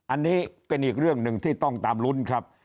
อันนี้เป็นอีกเรื่องหนึ่งที่ต้องตามลุ้นครับ